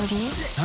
何？